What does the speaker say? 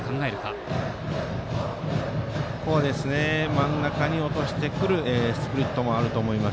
真ん中に落としてくるスプリットがあると思います。